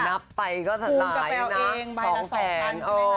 นับไปก็จะตายนะ๒แสน